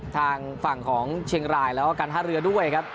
ทางฝั่งของเชียงรายแล้วก็การท่าเรือด้วยครับ